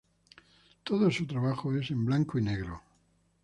Todo su trabajo es en blanco y negro.